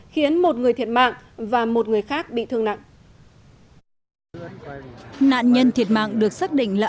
khiến một người thiệt mạng và một người khác bị thương nặng nạn nhân thiệt mạng được xác định là